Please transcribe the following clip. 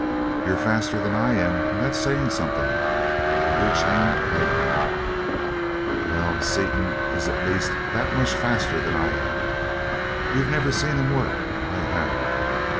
"You're faster than I am, and that's saying something. You're chain lightning." "Well, Seaton is at least that much faster than I am. You've never seen him work I have.